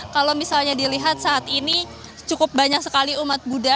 kalau misalnya dilihat saat ini cukup banyak sekali umat buddha